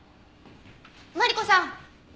マリコさん！